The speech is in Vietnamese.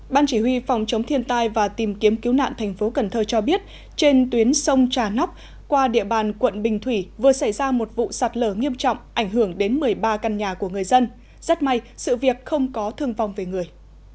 ban chỉ huy phòng chống thiên tai và tìm kiếm cứu nạn thành phố cần thơ cho biết trên tuyến sông trà nóc qua địa bàn quận bình thủy vừa xảy ra một vụ sạt lở nghiêm trọng ảnh hưởng đến một mươi ba căn nhà của người dân rất may sự việc không có thương vong về người